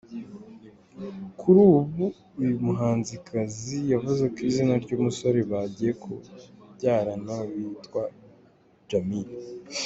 Kuri ubu uyu muhanzikazi yavuze ko izina ry’umusore bagiye kubyarana yitwa Djamil.